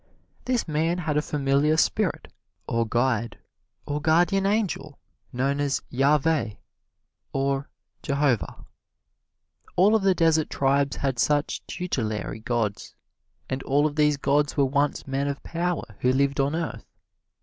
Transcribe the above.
This man had a familiar spirit, or guide, or guardian angel known as Yaveh or Jehovah. All of the desert tribes had such tutelary gods; and all of these gods were once men of power who lived on earth.